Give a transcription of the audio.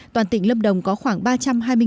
toàn tỉnh lâm đồng có khoảng một trường học